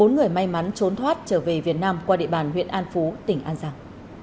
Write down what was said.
bốn người may mắn trốn thoát trở về việt nam qua địa bàn huyện an phú tỉnh an giang